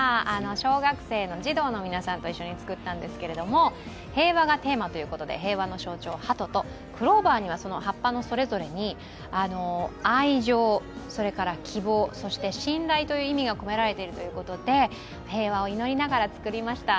小学生の児童の皆さんと一緒に作ったんですが平和がテーマということで平和の象徴、はととクローバーには葉っぱのそれぞれに愛情、希望、そして信頼という意味が込められているということで平和を祈りながら作りました。